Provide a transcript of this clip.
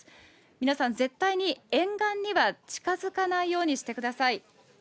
皆さん、絶対に沿岸には近づかないようにしてください。